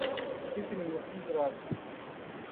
بېرته مېلمستون ته راغلو.